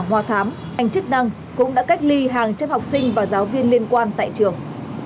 hoa thám ngành chức năng cũng đã cách ly hàng trăm học sinh và giáo viên liên quan tại trường